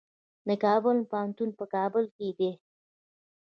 د کابل پوهنتون په کابل کې دی